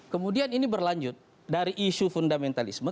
kemudian ini berlanjut dari isu fundamentalisme